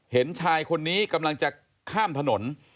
เห็นชายคนนี้กำลังจะข้ามถนน